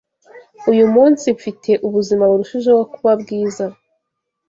Uyu munsi mfite ubuzima burushijeho kuba Bwiza